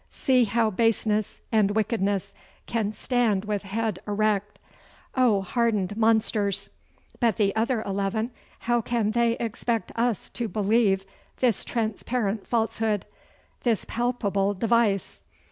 See how baseness and wickedness can stand with head erect! Oh, hardened monsters! But the other eleven. How can they expect us to believe this transparent falsehood this palpable device?